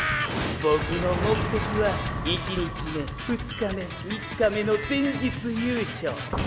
ボクの目的は１日目２日目３日目の全日優勝。